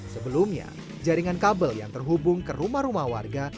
sebelumnya jaringan kabel yang terhubung ke rumah rumah warga